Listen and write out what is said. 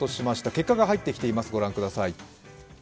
結果が入ってきています。